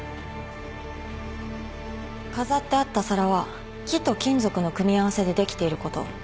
飾ってあった皿は木と金属の組み合わせでできていること。